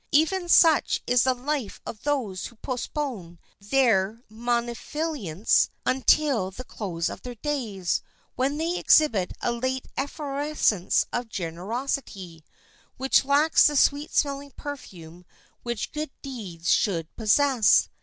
Even such is the life of those who postpone their munificence until the close of their days, when they exhibit a late efflorescence of generosity, which lacks the sweet smelling perfume which good deeds should possess.